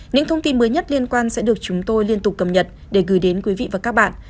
những thông tin mới nhất liên quan sẽ được chúng tôi liên tục cập nhật để gửi đến quý vị và các bạn